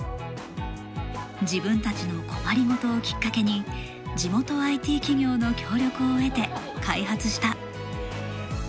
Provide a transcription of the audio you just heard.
自分たちの困りごとをきっかけに地元ＩＴ企業の協力を得て開発した。